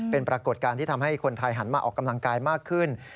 เป็นปรากฏการณ์ที่ทำให้คนไทยหันมาออกกำลังกายมากขึ้น